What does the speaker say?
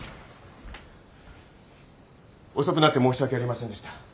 遅くなって申し訳ありませんでした。